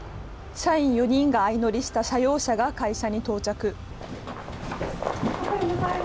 社員４人が相乗りした社用車が会社に到着。